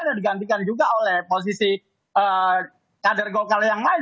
dan digantikan juga oleh posisi kader gokar yang lain